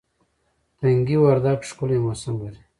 تنگي وردک ښکلی موسم لري